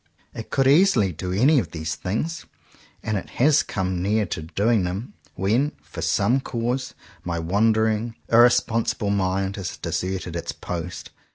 It could easily do any of these things; and it has come near to doing them, when, for some cause, my wandering, irrespon sible mind has deserted its post.